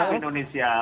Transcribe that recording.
oh tetap cinta indonesia